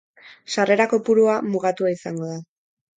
Sarrera kopurua mugatua izango da.